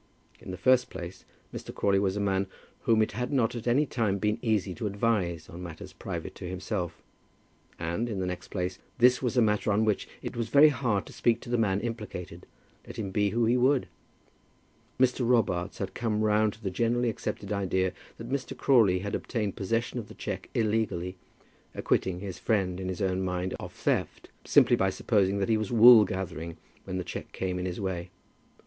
In the first place Mr. Crawley was a man whom it had not at any time been easy to advise on matters private to himself; and, in the next place, this was a matter on which it was very hard to speak to the man implicated, let him be who he would. Mr. Robarts had come round to the generally accepted idea that Mr. Crawley had obtained possession of the cheque illegally, acquitting his friend in his own mind of theft, simply by supposing that he was wool gathering when the cheque came in his way.